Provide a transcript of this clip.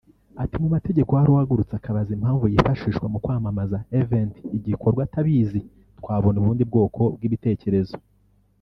Ati “Mu mategeko hari uhagurutse akabaza impamvu yifashishwa mu kwamamaza event [igikorwa] atabizi twabona ubundi bwoko bw’ibitekerezo